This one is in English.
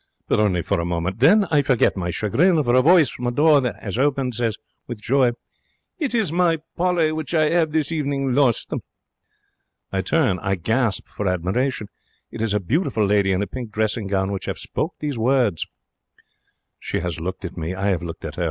But only for a moment. Then I forget my chagrin. For a voice from a door that 'as opened says with joy, 'It is my Polly, which I 'ave this evening lost!' I turn. I gasp for admiration. It is a beautiful lady in a pink dressing gown which 'ave spoken these words. She has looked at me. I 'ave looked at her.